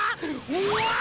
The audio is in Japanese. うわ！